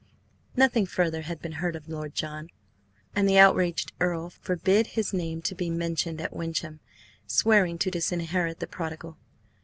Nothing further had been heard of Lord John, and the outraged Earl forbade his name to be mentioned at Wyncham, swearing to disinherit the prodigal.